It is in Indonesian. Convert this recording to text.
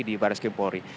di baris kempolri